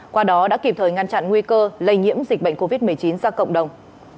qua đó đã kịp thời ngăn chặn nguy cơ lây nhiễm dịch bệnh covid một mươi chín ra cộng đồng